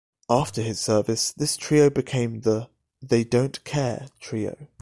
After his service this trio became the "They Don't Care" trio.